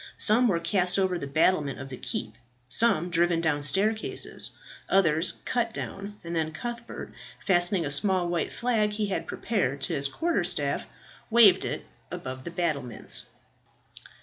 Some were cast over the battlement of the keep, some driven down staircases, others cut down, and then Cuthbert, fastening a small white flag he had prepared to his quarter staff, waved it above the battlements.